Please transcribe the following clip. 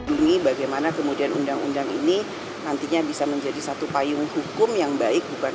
ini bagaimana kemudian undang undang ini nantinya bisa menjadi satu payung hukum yang baik bukan